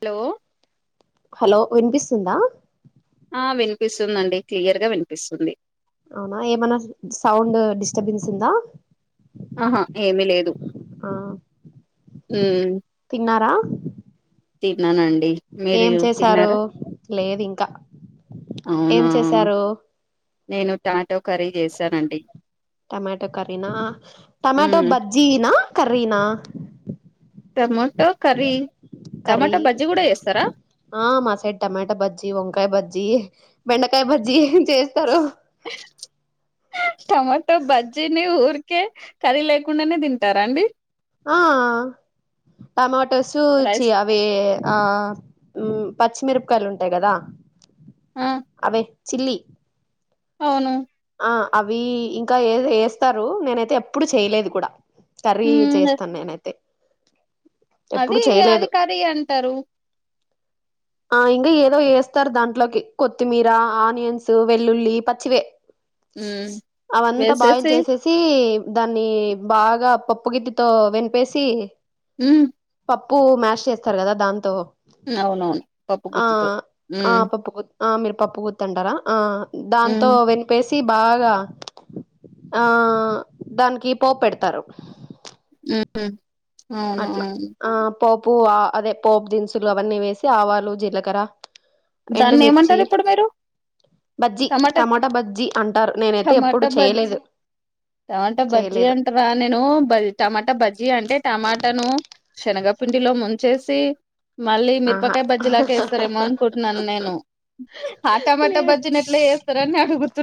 Hello hello వినిపిస్తుందా ఆ వినిపిస్తుందండి క్లియర్ గా వినిపిస్తుంది అవునా ఏమన్నా సౌండ్ డిస్టర్బెన్స్ందా ఆహా ఏమి లేదు ఆ ఉ తిన్నారా తిన్నానా ఏం చేసారు లేదు ఇంకా ఏం అవునా చేసారు నేను టా టమాటో కర్రీ నా టమాటో ఉమ్ బజ్జీనా కర్రీనా tomato curry curry tomato bajji కూడా చేస్తారా ఆ మా సైడ్ టమాట బజ్జి, వంకాయ బజ్జి బెండకాయ బజ్జీ చేస్తారు టమాటో బజ్జీని ఊరికే కర్రీ లేకుండానే తింటారా అండి ఆ టమాటాసు చి రైస్ అవే ఆ పచ్చిమిరపకాయలు ఉంటాయి కదా ఆ అవే చిల్లీ అవును ఆ అవి ఇంకా ఏస్తారు నేనైతే ఎప్పుడు చేయలేదు కూడా కర్రీ ఉమ్ చేస్తాను నేనైతే ఎప్పుడు అది [unintelligible] చేయలేదు అది కర్రీ అంటారు ఆ ఇంకా ఏదో వేస్తారు దాంట్లోకి కొత్తిమీర ఆనియన్స్ వెల్లుల్లి పచ్చివే ఉమ్ అవంతా బాయిల్ వేసేసి చేసేసి దాన్ని బాగా పప్పుగిదితో వినిపేసి ఉ పప్పు మ్యాష్ చేస్తారు కదా దాంతో అవునవును పప్పు ఆ గుత్తితో ఆ ఉమ్ పప్పు ఆ మీరు పప్పు గుతంటారా ఆ దాంతో ఉమ్ వినిపేసి బాగా ఆ దానికి పోప్ పెడతారు అట్లా అవునువును ఆ పోపు అదే పోపు దినుసులు అవన్నీ వేసి ఆవాలు జీలకర దాన్ని ఏమంటారు ఇప్పుడు మీరు బజ్జి టమాటా బజ్జి అంటారు నేనైతే ఎప్పుడు టమాటా బజ్జీ చేయలేదు టమాటా బజ్జీ చేయలేదు అంటార నేను బజ్జి టమాటా బజ్జీ అంటే టమా టను శనగపిండిలో ముంచేసి మళ్ళీ ఆహా మిరపకాయ బజ్జీ లాక వేస్తారేమో అనుకుంటున్నాను నేను ఆ టమాటా లేదు బజ్జీని ఎట్లా వేస్తా [unintelligible]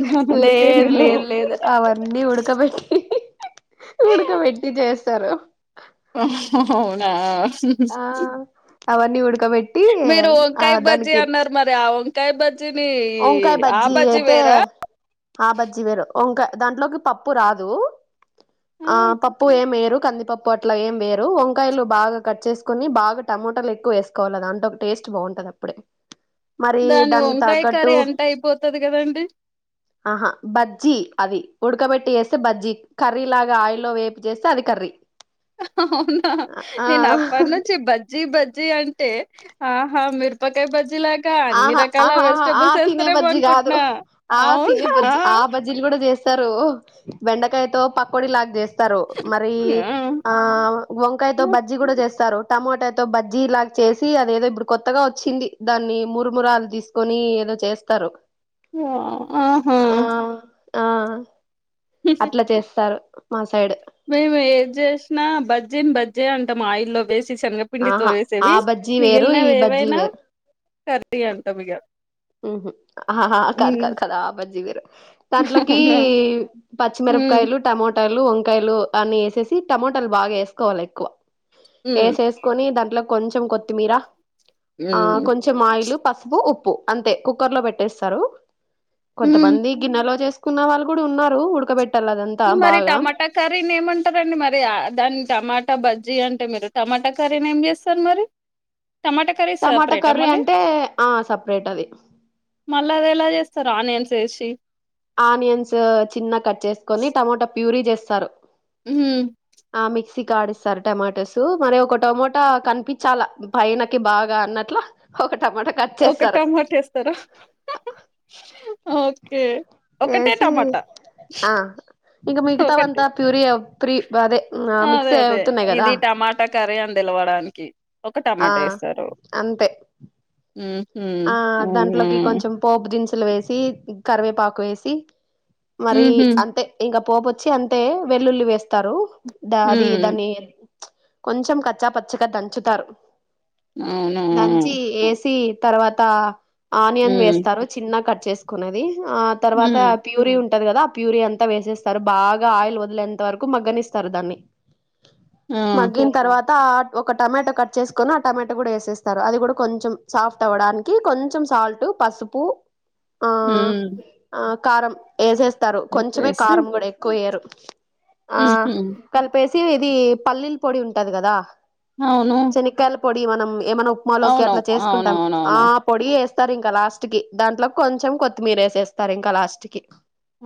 లేదు లేదు లేదు అవన్నీ ఉడకబెట్టి ఉడకబేట్టి చేస్తారు అవునా ఆ అవన్నీ ఉడకబెట్టి మీరు ఆ వంకాయ బజ్జీ దానికి అన్నారు మరి ఆ వంకాయ బజ్జీని వంకాయ ఆ బజ్జి బజ్జీ అయితే వేరా ఆ బజ్జి వేరు వంకాయ దాంట్లోకి పప్పు రాదు ఆ పప్పు ఏం వేరు కందిపప్పు అట్లా ఏం వేరు వంకాయలు బాగా కట్ చేసుకొని బాగా ట ఎక్కువ వేసుకోవాలింట ఒక టేస్ట్ బాగుంటది అప్పుడే మరి దాని దానికి వంకాయ తగ్ట్ కర్రీ అంటే అయిపోతది కదండి ఆహా బజ్జీ అవి ఉడకబెట్టి వేస్తే బజ్జీ కర్రీ లాగా ఆయిల్లో వేపి చేస్తే అది కర్రీ అవునా ఆ నేను అప్పటి నుంచి బజ్జి బజ్జి అన్ ఆహా మీరుపాకాయ బ లాగా అన్ని ఆహా రకాల ఆహాహా ఆ వెజిటబుల్స్ తినే వేస్తారే బో బజ్జి కాదు అనుకుంటున్నా ఆ తినే అవునా బజ్జి ఆ బజ్జీలు చేస్తారు బెండకాయతో పకోడీ లాగ చే స్తారు మరి ఆ! ఆ వంకాయతో బజ్జి కూడా చేస్తారు టమోటాతో బజ్జీ లాగ చేసి అదేదో ఇప్పుడు కొత్తగా వచ్చింది దాన్ని మురుమురాలు తీసుకొని ఏదో చేస్తారు ఓ ఆహా ఆ ఆ అట్ల చేస్తారు మా సైడ్ మేము ఏది చేసిన బజ్జీని బజ్జి అంటాం ఆయిల్ లో వేసి శనగపిండి తో ఆహా ఆ వేసేవి బజ్జీ వేరు ఈ మిగిలినవి బజ్జీ ఏవైనా వేరు కర్రీ అంట మి ఆహా కదు కాదు కదా ఆ బజ్జీ వీరు దాంట్లోకి అవునా? పచ్చిమిర హ్మ్. ఉరపకాయలు టమోటాలు వంకాయలు అన్ని వేసేసి టమోటాలు బాగా వేసుకోవాలి ఎక్కువ హ్మ్. వేసేసుకొని దాంట్లో కొంచెం కొత్తిమీర ఆ హ్మ్. కొంచెం ఆయిలు పసుపు ఉప్పు అంతే కుక్కర్ లో పెట్టేస్తారు హ్మ్. కొంతమంది గిన్నెలో చే కున్న వాళ్ళ కూడా ఉన్నారు ఉడకబెట్ మరి టమాటా కర్రీని ఏమంటారండి మరి దాని టమాటా బ జీ అంటే మీరు టమోటా కర్రీని ఏం చేస్తారు మరి టమాటా కర్రీ టమోటా సపరేటా కర్రీ మళ్ళీ అంటే ఆ సపరేట్ అది మళ్ళా అది ఎలా చేస్తారు ఆనియన్స్ ఎసి ఆనియన్స్ చిన్న గా కట్ చేసుకొని టమోటా ప్యూరీ చేస్తారు ఉ మిక్స్ కి ఆడిస్తారు టమాటోస్ మరి ఒక టొమోటా కనిపించాలా పైనకి బాగా అన్నట్ల ఒక టమాటా కట్ ఒక చేస్తారు టమోటా వేస్తారా ఓకే ఒకటే చేసి టమోటా ఆ ఇంక మిగతావంతా ప్యూరీ ప్రీ అదే మిక్సీ అవుతున్నాయి కదా ఇది టమోటా కర్రీ అండి పిలవడానికి ఒక్క ఆ టమోటా వేస్తారు అంతే ఆ అవునా దాంట్లోకి కొంచెం పోపు దినుసు తుల వేసి కరివేపాకు ఏసీ మరి ఉహూ అంతే ఇంకా. పోపువచ్చీ అంతే వెల్లుల్లి వేస్తారు ద అది హ్మ్ దాన్ని ప్చ్ కొంచెం కచ్చా పచ్చగా దంచుతారు అవునా దంచి వేసి తర్వాత ఆనియన్ హ్మ్ వేస్తారు చిన్న గా కట్ చేసుకునేది ఆ తర్వాత హ్మ్ ప్యూరీ ఉన్ ఉంటది కదా ఆ ప్యూరి అంతా వేసేస్తారు బాగా ఆయిల్ వదిలేంత వరకు మగ్గనిస్తారు దాన్ని ఆ మగ్గిన తర్వాత తా ఒక టమోటా కట్ చేసుకొని ఆ టమోటా కూడా వేసేస్తారు అది కూడా కొంచెం సాఫ్ తవడానికి కొంచెం సాల్ట్ పసుపు ఆ ఊ ఆ కారం వేసేస్తారు కొంచెం మే కారం కూడా ఎక్కువ వేయరు ఆ హుహు. కలిపి ఏసీ చి ఇది పల్లీల పొడి ఉంటది కదా అవును శనక్కాయల పొడి మనం ఏమన్నా ఉప్మాలోకి అవును. అట్లా చేసుకుంటాం ఆ అవునవునవును. పొడి వేస్తారు ఇంకా లాస్ట్ కి దాంట్లో కొంచెం కొత్తిమీర వేసేస్తారు ఇంకా లాస్ట్ కి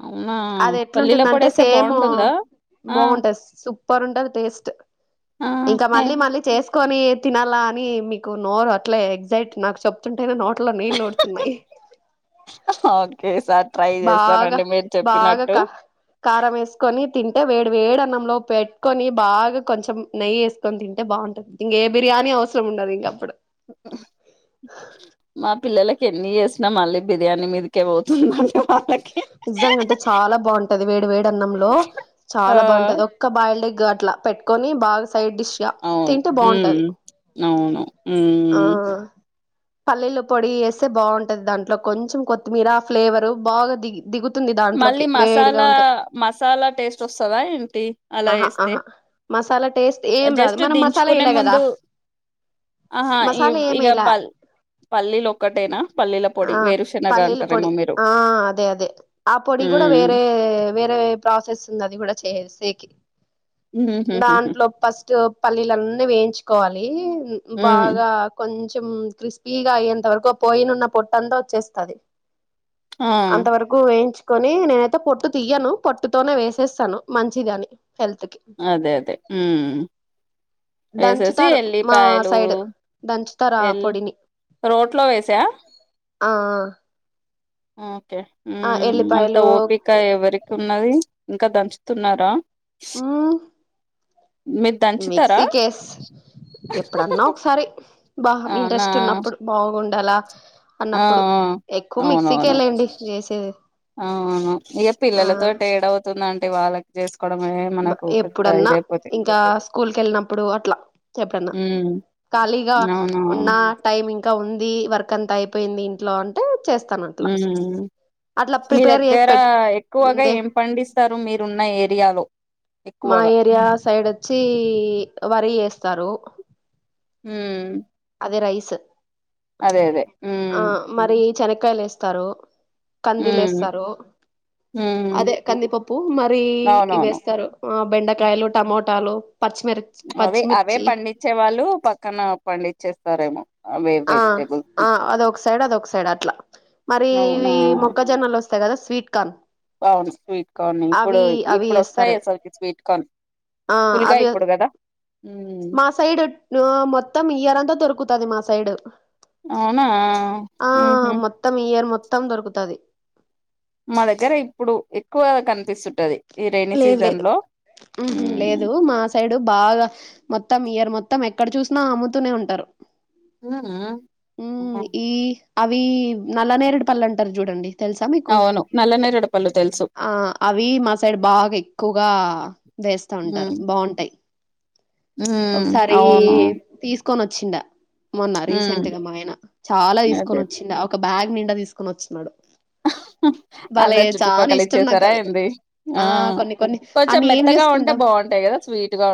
అవునా! అది పల్లీల ఎట్లుంటుందంటే పొడేస్తే సేమ్ బావుంటుందా? ఆ! బాగుంటంది సూప్ పర్ ఉంటది టేస్ట్ ఆ! ఇంకా ఏ మళ్ళీ మళ్ళీ చేస్ కొని తినాలా అని మీకు నోరు అట్లే ఎగ్జైట్ నాకు చెప్తున్ టెనో నోట్ల నీళ్లు ఊరుతున్నాయ్ ఓకే. ఈసారి ట్రై బాగా చేస్తానండి మీరు బాగా చెప్పినట్టు. క కారం వేసుకొని తింటే వేడి వేడి అన్నంలో పెట్టుకొని బాగా కొంచెం నెయ్యిసుకొని తింటే బాగుంటుంది ఇంక ఏ బిర్యానీ కానీ అవసరం ఉండదు ఇంకప్పుడు మా పిల్లలకి ఎన్ని చేసినా మళ్ళీ బిర్యానీ మీదికే పో ఉ వాళ్ళకి నిజంగా అంటే చాలా బాగుంటది వేడి వేడి అన్నంలో ఆ! చాలా బాగుంటది ఒక్క బాయిల్డ్ ఎగ్ గా అట్లా పెట్టుకొని బాగా సైడ్ డిష్ గా అవును. తింటే హ్మ్. బాగుంటది అవును. ఆ హ్మ్. పల్లీలు పొడి వేస్తే బాగుంటది దాంట్లో కొంచెం కొత్తిమీర ఫ్లేవరు బాగా దిగి దిగుతుంది మళ్ళీ దాంట్లోకి వేడిగా మసాలా ఉంటాయి మసాలా టేస్ట్ వస్తాదా ఏంటి అలా ఆహా వేస్తే ఆహా మసాలా టేస్ట్ ఏం రాదు మనం మసాలా ఎలా కదా ముందు ఆహా! మసాలా ఇవ్ ఏమి ఇగ ఎలా పల్ పల్లీలు ఒక్కటేనా పల్లీల పొడి ఆ వేరుశనగ పల్లీల అంటారేమో పొడి మీరు ఆ అదే అదే ఆ పొడి కూడా హ్మ్ వేరే వేరే ప్రాసెస్ ఉంది అది కూడా చేసేకి హుహుహు దాంట్లో ఫస్ట్ పల్లీలన్నీ వేయించుకోవాలి ఉ హ్మ్ బాగా కోన్ కొంచెం క్రిస్పీగా అయేంత వరకు పోయినున్న పొట్టు అంతా వచ్చేస్తది ఆ అంత వరకు ఎంచు కొని నేనైతే పొట్టు తీయను పొట్టుతోనే వేసేస్తాను మంచి ధని అదే అదే ఉ వేసేసి దంచుతారు మా ఎల్లిపాయలు సైడ్ దంచుతారు ఆ ఎల్ పొడిని రోట్లో వేసా అ ఆ ఓకే ఆ ఉమ్ అంత ఎల్లిపాయలు ఓపిక ఎవరికి ఉన్నది ఇంకా దంచుతున్నారా మీరు దంచుతారా మెక్సికెస్ ఎప్పుడన్నా ఒకసారి బాగా అవునా ఇంట్రెస్ట్ ఉన్నప్పుడు బాగుండాలా ఆ అన్నప్పుడు ఆ ఎక్కువ అవునవును మిక్సీకేలేండి చేసేది అవును ఇయ ఆ పిల్లలతో ఏడవుతుంద అంటే వాళ్ళకి చేసుకో బ ఎప్పుడన్నా ఇంకా స్కూల్ క వెళ్ళినప్పుడు అట్లా ఎప్పుడన్నా హ్మ్ ఖాళీగా అవును ఉన్న టైం ఇంకా ఉంది వర్క్ అంత అయిపోయింది ఇంట్లో అంటే చేస్తాను అట్లా ఉమ్ అట్లా మీ ప్రిపేర్ చేసి దగ్గర పెట్టు ఎక్కువగా ముందే ఏం పండిస్తారు మీరున్న ఏరియాలో మా ఎక్కువగా ఏరియా సైడ్ వచ్చి వరి వేస్తారు ఊమ్ అదే రైస్ ఆ ఉమ్ మరి చెనకాయలు వేస్తారు కందిలు ఉమ్ వేస్తారు ఉమ్ అదే కందిపప్పు మరి ఇ అవునవును వేస్తారు బెండకాయలు టమోటాలు పచ్చిమిర్చి అవి అవే పచ్చిమిర్చి పండించే వాళ్ళు పక్కన పండించేస్తారేమో అవే ఆ వెజిటేబుల్స్ ని ఆ అదొ ఒక్ సైడ్ అదొ ఒక సైడ్ అట్లా మరి అవునా ఇవి మొక్కజొన్నలు వస్తాయి కదా స్వీట్ కార్న్ అవును స్వీట్ కార్న్ ఇప్పుడు అవి అవి ఇప్పుడు వస్తాయి వేస్తారు అసలుకి స్వీట్ కార్న్ ఆ ఫుల్గా అవి ఇప్పుడు కదా ఉమ్ మా సైడు ఆ మొత్తం ఇయర్ంతా దొరుకుతది మా సైడ్ అవునా ఆ ఉహు మొత్తం ఈయర్ మొత్తం దొరుకుతది మా దగ్గర ఇప్పుడు ఎక్కువ కనిపిసుం టది లేదు లేదు ఉంహు ఉమ్ లేదు మా సైడు బాగా మొత్తం ఇయర్ మొత్తం ఎక్కడ చూసినా అమ్ముతూనే ఉంటారు అ ఆ ఉమ్ ఈ అవి నల్లనేరుడు పల్ అంటారు చూడండి తెలుసా మీకు అవును నల్లనేరేడు పల్ తెలుసు ఆ అవి మా సైడ్ బాగా ఎక్కువగా వేస్తా ఉంటారు హ్మ్. బాగుంటాయి హ్మ్. ఒకసారి అవును. తీస్ కొని వచ్చిండా మొన్న హ్మ్. రీసెంట్ గా మా ఆయన చాలా అదే తీసుకొని వచ్చిండా ఒక ఒక బ్యాగ్ నిండా తీసుకొని వచ్న్నాడు ఆహ్ అందరు చుట్టుపక్కల ఇష్టం నాకు ఇచ్చేసారా అవి ఏంది ఆ కొన్ని కొన్ని కొంచెం అన్ని ఏం మెత్తగా ఉంటే చేసుకుంటాం బాగుం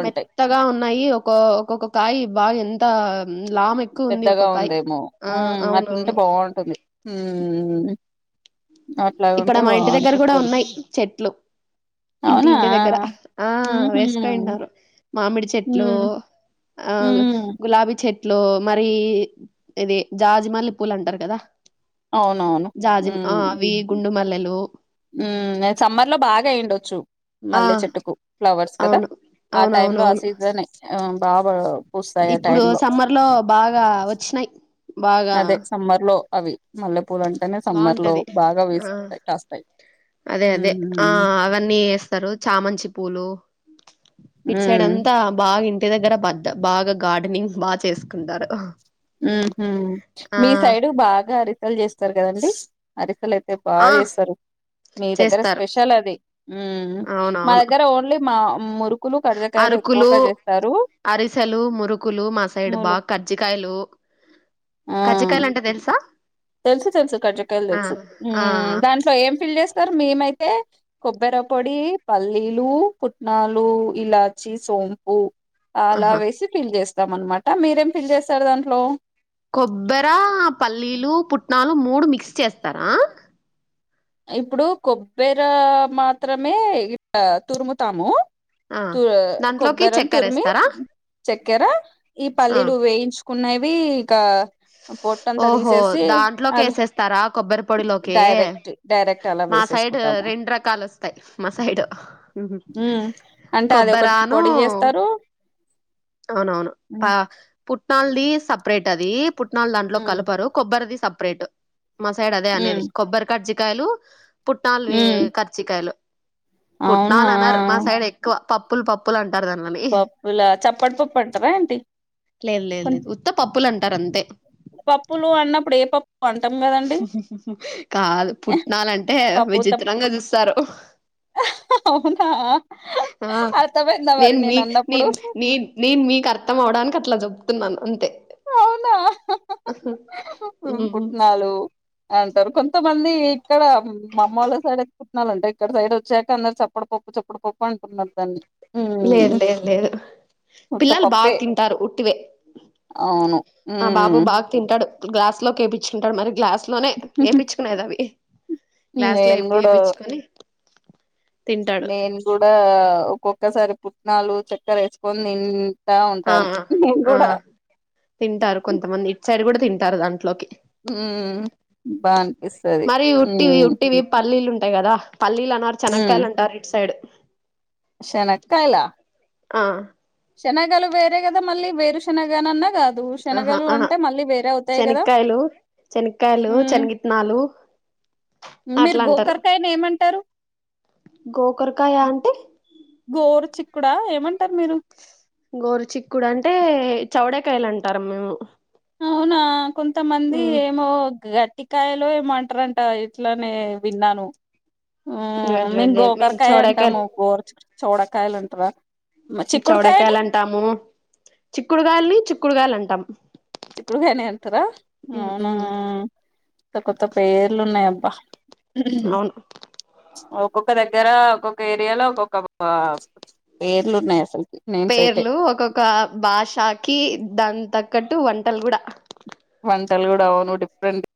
మెత్తగా ఉన్నాయి ఒక ఒక్కొక్క కాయ బాగా ఎంత ఉమ్ లాము ఎక్కువ ఉంది గా ఒక్కొక్కాయ ఉందేమో ఆ అట్లుంటే అవునవును బాగుంటుంది ఉమ్మ్ ఇక్కడ మా ఇంటి దగ్గర కూడా ఉన్నాయ్ చెట్లు ఇంటి అవునా? ఇంటి దగ్గర ఆ హుహు. వేసుకోన్నారు మామిడి చెట్లు హ్మ్. ఆ హ్మ్. గులాబీ చెట్ ట్లో మరి ఇది జాజిమల్లిి పూలు అంటారు కదా అవునవును. జాజిమ్ ఆ అవి గుండు మల్లెలు ఉమ్ సమ్మర్ లో బాగా అయ్యండొచ్చు ఆ మల్లె చెట్టుకు ఫ్లవర్స్ కదా అవును ఆ టైమ్లో ఆ అవునవునవును సీజన్ బాబా ఇప్పుడు సమ్మర్ లో బాగా వచ్చినాయి్ అదే సమ్మర్ లో అవి మల్లెపూలు అంటేనే సమ్మర్ లో బాగుంటది బాగా ఆ వేసిట్స్తాయి అదే అదే ఆ అవన్నీ వేస్తారు చామంచి పూలు ఇట్సైడ్ ఉమ్ అంతా బాగిన్ ఇ దగ్గర బద్ద బాగా గార్డెనింగ్ బాగా చేసుకుంటారు ఉ ఆ మీ సైడు బాగా అరిసలు చేస్తారు కదండి అరిసలు అయితే అతే బాగా ఆ చేస్తారు మీ దగ్గర చేస్తారు స్పెషల్ అది ఉ మా అవునవును దగ్గర ఓన్లీ మా మురుకులు కర్జకాయలు అరుకులు ఎక్కువగా చేస్తారు అరిసెలు మురుకులు మసాడ్ ములు బా్ కజజ కాయలు ఆ కజ్జకాయలు అంటే తెలుసా తెలుసు తెలుసు కట్ెక్ట్యలు ఆ తెలుసు ఆ దాంట్లో ఏం ఫిల్ చేస్తారు మేమైతే కొబ్బర పొడి పల్లీలు పుట్నాలు ఇలాచి సోంపు ఆహా అలా వేసి ఫిల్ చేస్తాం అనమాట మీరేం ఫిల్ చేస్తారు దాంట్లో కొబ్బరి పల్లీలు పుట్నాలు మూడు మిక్స్ చేస్తారా ఇప్పుడు కొబ్బర మాత్రమే ఇ తురుముతాము ఆ త దాంట్లోకి కొబ్బరని తురిమి చక్కెరేస్తారా? చక్కెర ఈ ఆ పల్లీలు వేయించు ఉన్నాయివి ఇ పొట్ట అంతా ఓహో తీసేసి అది దాంట్లోకేసేస్తారా కొబ్బరి పొడిలోకి? డైరెక్ట్ డైరెక్ట్ అలా మా సైడ్ వేసేసుకుంటాము రెండు రకాలొస్తాయి మా సైడ్ అంటే అది ఒకటి కొబ్బరాను పొడి చేస్తారు అవునవును పా ఉమ్ పుట్నాళది సపరేట్ అదిట్ కనాలు దాంట్లో కలపారు కొబ్బరి అది సపరేట్ మా సైడ్ అదే అనేది ఉమ్ కొబ్బరి కట్జికయలు పుట్నాాలు ఉమ్ కరచ కాయలు అవునా పుట్నాలు అన్నారు మా సైడ్ ఎక్కువ పప్పులు పప్పులు అంట పప్పులా చప్పట్ పప్పంటార ఆంటీ లేదు లేదు లేదు ఉత్త పప్పులుంటారు అంతే పప్పులు అన్నప్పుడు ఏ పప్పు అంటాం కదండి కాదు ఎహ్, పుట్నాలంటే పప్పు తప్ప విచిత్రంగా చూస్తారు అవునా ఆ అర్తమంద మీ మరి నేను నేను నే అన్నప్పుడు న నేను మీకు అర్థం అవడానికి అట్లా చెబతున్నాను అంతే అవునా ఉహు. పుట్నాలు అంటారు కొంతమంది ఇక్కడ మామ్మళ్ళ సైడ్చ్చకుుాలంటే ఇక్కడ సైడ్ వచ్చాక అందరు చెప్పం చప్పుడ పప్పు చప్పుడు పప్పు అంటున్నారు దాన్ని లేదు ఉమ్ లేదు లేదు ఉత్త పిల్లలు బాగా పప్పే తింటారు ఉుట్టివే అవును, ఆ బాబు ఉమ్ బాగా తింటాడు గ్లాస్ లో కేయిచ్చుంటాడు మరి గ్లాస్ అట్లోనే వయిచ్చుకునేది అవి క్లాస్ లో నేను ఏపి కూడా వయిచ్చుకొని నేను కూడా ఒక్కొక్కసారి పుట్నాలు చక్కర వేసుకొని నేను ఆ ఉంటాను ఆ కూడా తింటారు కొంతమంది ఇటు సైడ్ కూడా తింటారు దాంట్లోకి ఉమ్ బా అనిపిస్తది మరి ఉట్టివి ఉమ్ ఉట్టివి పల్లీలుంటా అంతే కదా పల్లీలు అన్నారు చెనకాయలు అంటారు ఇటు సైడ్ శనక్కయలా ఆ శనగలు బేర కదమ్ మళ్ీ బేరు శనగనన్న కాదు ఆహా శనగలు అంటే మళ్ళీ వేరే అవుతాయి కదా శనకాయలు ఉమ్ శనగిత్తనాలు మీరు గోకర్కాయని ఏమంటారు గోకర్కాయా అంటే గోరు చిక్కుడా ఏమంటారు మీరు గోరు చిక్కుడు అంటే చౌడకాయలు అంటారు మేము అవునా కొంతమంది ఉమ్, ఏమో ఇటికాయలో ఏమంటారంట ఇట్లానే విన్నాను లేదు లేదు మేము లేదు గోకరకాయ చౌడకాయలు అంటాము గోరు చోడకాయలు అంటార చౌడేకాయలు అంటాము చిక్కుడుకాయలని చిక్కుడుగాయలు అంటామ్ చిక్కుడుగాయనే అంటారా అవునా ఉమ్, కొ కొత్త పేర్లు ఉన్నయ్ అవును ఒక్కొక్క దగ్గర ఒక్కొక్క ఏరియాలో ఒక్కొక్క ఆ పేర్లు ఒక్కకొక భాషాకి దాన్ త కట్టు వంటలు కూడా వంటలు కూడా అవును డిఫరెంట్